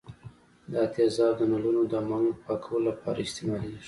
دا تیزاب د نلونو د منګ د پاکولو لپاره استعمالیږي.